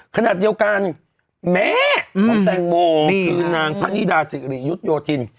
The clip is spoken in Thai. ขณะเดียวกันแม่ของแตงโมคือนางพระนิดาสิริยุทธโยธิน